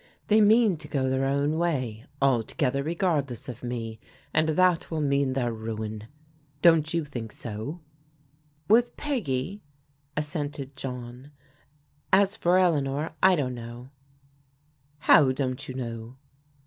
They mean to go their own way altogether re gardless of me, and that will mean their ruin. Don't you think so?" "Ill ENGAGED TO JIM'' 89 Witfi "Peggy/* assented John.' "As for Eleanor — ^I don't know. How don't you know